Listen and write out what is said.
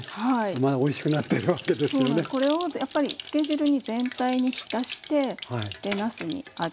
これをやっぱりつけ汁に全体に浸してでなすに味を含ませます。